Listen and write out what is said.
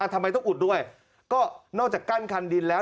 ทำไมต้องอุดด้วยก็นอกจากกั้นคันดินแล้ว